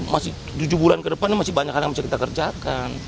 masih tujuh bulan ke depan ini masih banyak hal yang bisa kita kerjakan